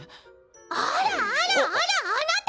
あらあらあらあなた！